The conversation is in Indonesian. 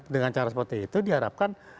dengan cara seperti itu diharapkan